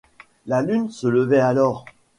La lune se levait alors.